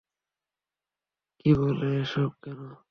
কী বলে, এসব কেন?